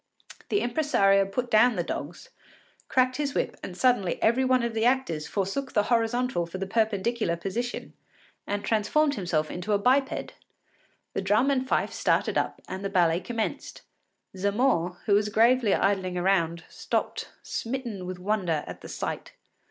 The impresario put down the dogs, cracked his whip, and suddenly every one of the actors forsook the horizontal for the perpendicular position, and transformed itself into a biped. The drum and fife started up and the ballet commenced. Zamore, who was gravely idling around, stopped smitten with wonder at the sight.